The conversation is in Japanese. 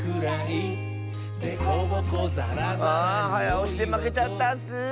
おしでまけちゃったッス！